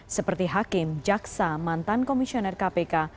seperti hakim jaksa mantan komisioner kpk